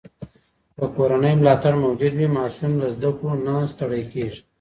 که کورنۍ ملاتړ موجود وي، ماشوم له زده کړو نه ستړی کېږي.